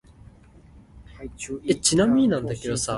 有錢補冬，無錢補鼻空